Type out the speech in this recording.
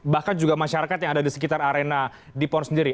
bahkan juga masyarakat yang ada di sekitar arena di pon sendiri